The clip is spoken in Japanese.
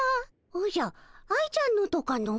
おじゃ愛ちゃんのとかの？